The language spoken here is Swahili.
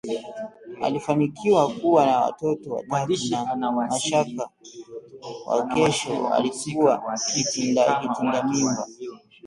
alifanikiwa kuwa na Watoto watatu, na Mashaka Wakesho alikuwa kitindamimba